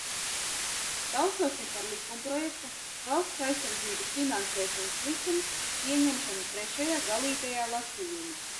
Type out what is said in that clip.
"Balsosim par likumprojekta "Valsts aizsardzības finansēšanas likums" pieņemšanu trešajā, galīgajā, lasījumā!"